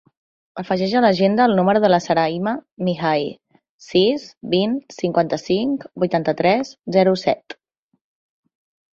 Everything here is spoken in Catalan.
Afegeix a l'agenda el número de la Sarayma Mihai: sis, vint, cinquanta-cinc, vuitanta-tres, zero, set.